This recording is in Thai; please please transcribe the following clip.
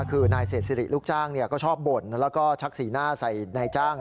คือนายเศษสิริลูกจ้างก็ชอบบ่นแล้วก็ชักสีหน้าใส่นายจ้าง